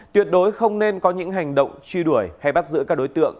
tuyệt đối không nên có những hành động truy đuổi hay bắt giữ các đối tượng